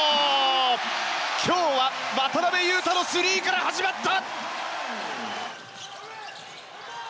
今日は渡邊雄太のスリーから始まった！